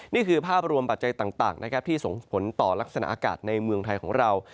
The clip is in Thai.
นี่คือภาพรวมปัจจัยต่างนะครับที่ส่งผลต่อลักษณะอากาศในเมืองไทยของเรา